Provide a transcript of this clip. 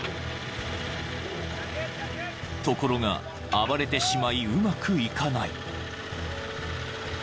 ［ところが暴れてしまいうまくいかない］